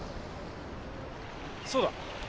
そうだ。